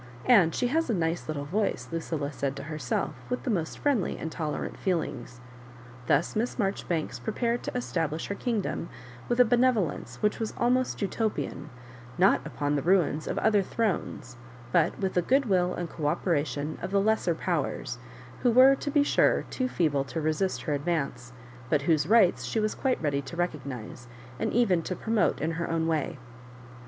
"And she has a nice little voice." Lucilla said to herself, with the most friendly and tolerant feelings. Thus Miss Marjoribanks prepared to establish her kingdom with a benevolence which was almost Utopian, not upon the ruins of other thrones, but with the good will and co operation of the jfesser powers, who were, to be sure, too feeble to resist her advance, but whose rights she was quite ready to recognise, and even to pro mote, in her own way.